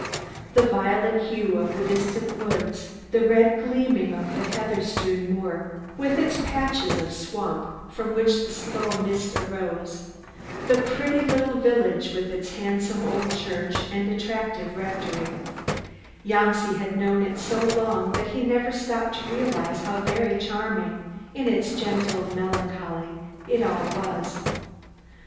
The violet hue of the distant woods, the red gleaming of the heather strewn moor, with its patches of swamp from which the slow mist arose, the pretty little village with its handsome old church and attractive rectory Janci had known it so long that he never stopped to realise how very charming, in its gentle melancholy, it all was.